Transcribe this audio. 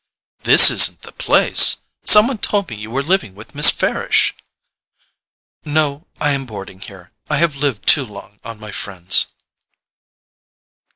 "This isn't the place? Some one told me you were living with Miss Farish." "No: I am boarding here. I have lived too long on my friends."